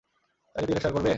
তাকে তিরস্কার করবে?